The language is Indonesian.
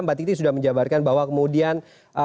mbak titi sudah menjabarkan bahwa kemudian